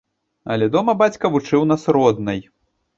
Але дома бацька вучыў нас роднай.